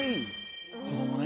子どもね。